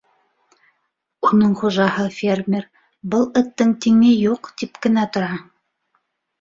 Уның хужаһы фермер, был эттең тиңе юҡ, тип кенә тора!